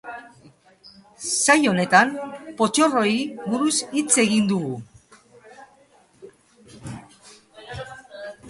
Saio honetan, pottorroei buruz hitz egin dugu.